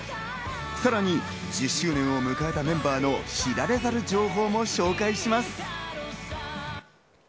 さらに１０周年を迎えたメンバーの知られざる情報も紹介します。